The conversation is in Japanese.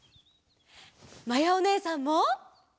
まやおねえさんも。